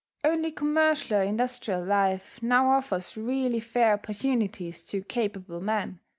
Only commercial or industrial life now offers really fair opportunities to capable men.